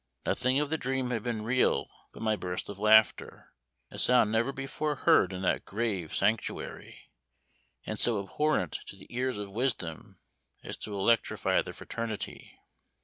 Nothing of the dream had been real but my burst of laughter, a sound never before heard in that grave sanctuary, and so abhorrent to the ears of wisdom, as to electrify the fraternity.